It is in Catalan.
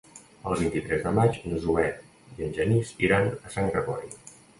El vint-i-tres de maig na Zoè i en Genís iran a Sant Gregori.